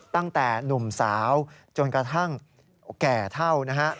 ตั้งแต่หนุ่มสาวจนกระทั่งแก่เท่านะฮะ